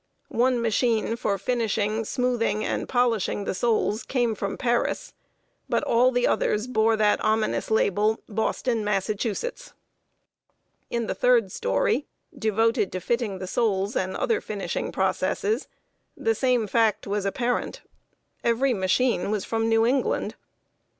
One machine for finishing, smoothing, and polishing the soles came from Paris; but all the others bore that ominous label, "Boston, Massachusetts!" In the third story, devoted to fitting the soles and other finishing processes, the same fact was apparent every machine was from New England.